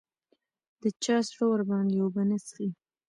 د چا زړه ورباندې اوبه نه څښي